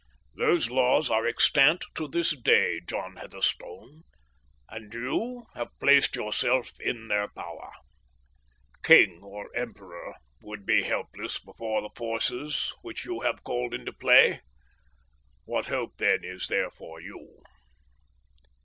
Those laws are extant to this day, John Heatherstone, and you have placed yourself in their power. King or emperor would be helpless before the forces which you have called into play. What hope, then, is there for you?